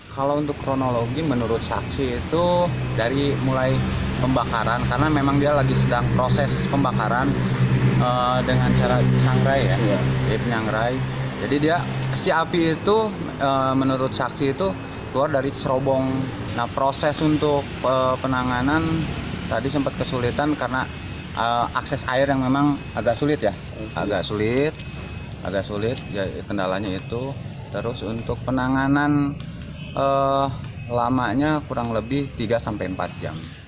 kendalanya itu terus untuk penanganan lamanya kurang lebih tiga sampai empat jam